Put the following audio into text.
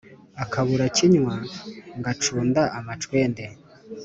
akabura kinywa ngacunda amacwende